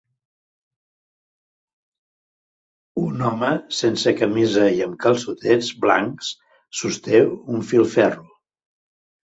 Un home sense camisa i amb calçotets blancs sosté un filferro.